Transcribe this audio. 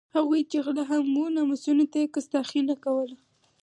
هغوی چې غله وو هم یې ناموسونو ته کستاخي نه کوله.